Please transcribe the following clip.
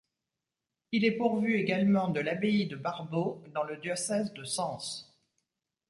Il est pourvu également de l'abbaye de Barbeau, dans le diocèse de Sens.